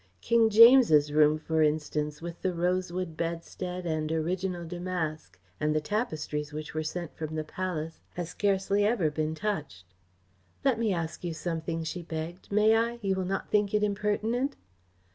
King James' room, for instance, with the rosewood bedstead and original damask, and the tapestries which were sent from the Palace, has scarcely ever been touched." "Let me ask you something," she begged. "May I? You will not think it impertinent?"